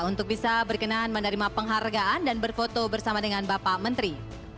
untuk bisa berkenan menerima penghargaan dan berfoto bersama dengan bapak menteri